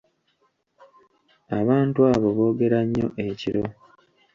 Abantu abo boogera nnyo ekiro.